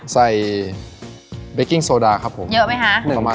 เบกกิ้งโซดาครับผมเยอะไหมคะ